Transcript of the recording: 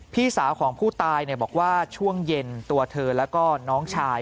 พี่สาวของผู้ตายบอกว่าช่วงเย็นตัวเธอแล้วก็น้องชาย